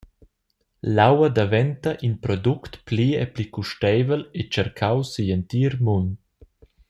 L’aua daventa in product pli e pli custeivel e tschercau sigl entir mund.